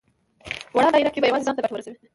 وړه دايره کې به يوازې ځان ته ګټه ورسوي.